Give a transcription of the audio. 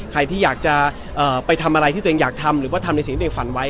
ใครที่อยากจะไปทำอะไรที่ตัวเองอยากทำหรือว่าทำในสิ่งที่ตัวเองฝันไว้